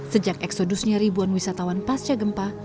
sejak eksodusnya ribuan wisatawan pasca gempa